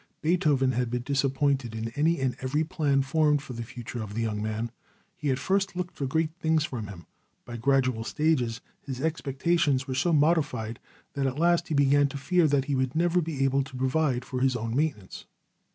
Beethoven had been disappointed in any and every plan formed for the future of the young man. He at first looked for great things from him; by gradual stages his expectations were so modified that at last he began to fear that he would never be able to provide for his own maintenance.